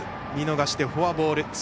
見逃してフォアボール。